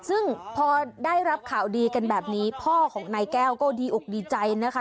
ซึ่งพอได้รับข่าวดีกันแบบนี้พ่อของนายแก้วก็ดีอกดีใจนะคะ